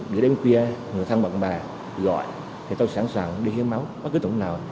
để đến khuya người thân bạn bà gọi thì tôi sẵn sàng đi khí máu bất cứ tổng nào